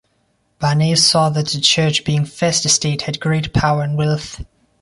Barnave saw that the Church, being first estate, had great power and wealth.